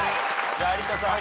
じゃあ有田さん。